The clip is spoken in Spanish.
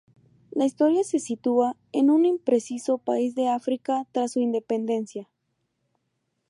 La historia se sitúa en un impreciso país de África tras su independencia.